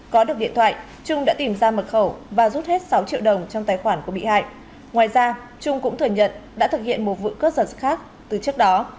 có được điện thoại trung đã tìm ra mật khẩu và rút hết sáu triệu đồng trong tài khoản của bị hại ngoài ra trung cũng thừa nhận đã thực hiện một vụ cướp giật khác từ trước đó